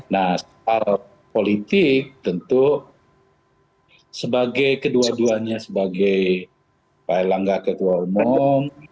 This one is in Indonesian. nah soal politik tentu sebagai kedua duanya sebagai pak elangga ketua umum